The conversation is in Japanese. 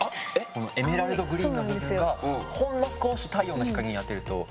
このエメラルドグリーンの部分がほんの少し太陽の光に当てると透けて見えて。